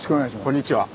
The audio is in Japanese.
こんにちは。